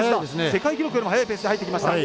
世界記録よりも速いペースで入ってきました。